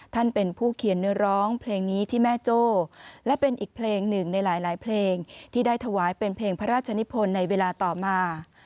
ท่านเป็นผู้เขียนเนื้อร้องเพลงนี้ที่แม่โจ้และเป็นอีกเพลงหนึ่งในหลายเพลงที่ได้ถวายเป็นเพลงพระราชนิพลในเวลาต่อมา